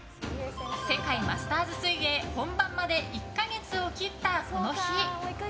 世界マスターズ水泳本番まで１か月を切った、この日。